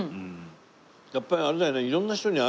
やっぱりあれだよね。